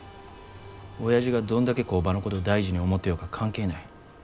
おやじがどんだけ工場のことを大事に思ってようが関係ない。